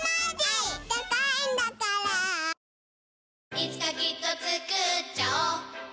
いつかきっとつくっちゃおう